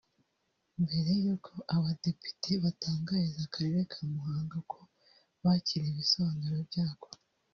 Mbere y’uko abadepite batangariza Akarere ka Muhanga ko bakiriye ibisobanuro byako